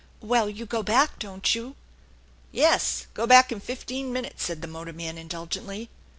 " Well, you go back, don't you ?"" Yes. Go back in fifteen minutes/' said the motorman indulgently.